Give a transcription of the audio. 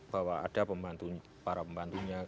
bahwa ada para pembantunya